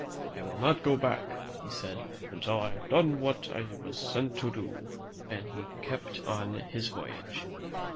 "I will not go back," he said, "until I have done what I was sent to do," and he kept on his voyage.